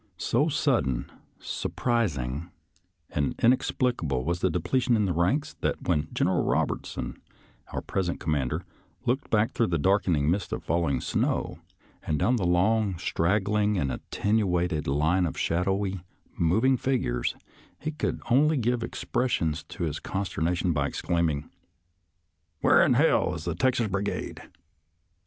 So sudden, surprising, and inexplicable was the depletion in the ranks that when General Robertson, our present com mander, looked back through the darkening mist of falling snow, and down the long, straggling, and attenuated line of shadowy, moving figures, he could only give expression to his consterna tion by exclaiming, " Where in h — 11 is the Texas Brigade?